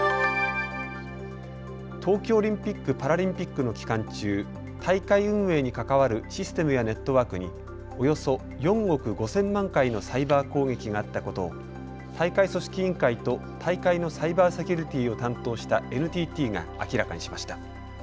東京オリンピック・パラリンピックの期間中、大会運営に関わるシステムやネットワークにおよそ４億５０００万回のサイバー攻撃があったことを大会組織委員会と大会のサイバーセキュリティーを担当したＮＴＴが明らかにしました。